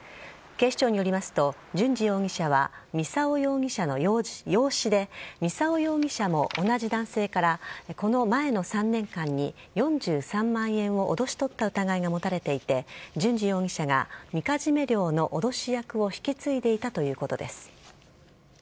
警視庁によりますと、淳二容疑者は、操容疑者の養子で、操容疑者も同じ男性から、この前の３年間に、４３万円を脅し取った疑いが持たれていて、淳二容疑者が、みかじめ料の脅し役を引き継いでいたということです。